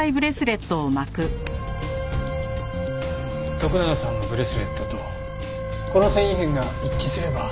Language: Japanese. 徳永さんのブレスレットとこの繊維片が一致すれば。